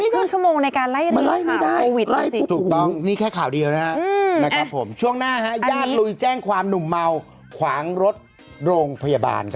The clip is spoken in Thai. ก็ต้องรอความชัดเจนนะ